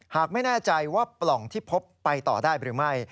หากไม่แน่ใจว่าปล่องที่พบไปต่อได้หรือไม่